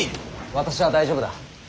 私は大丈夫だ。